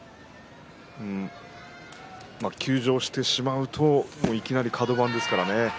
休場してしまうといきなりカド番ですからね。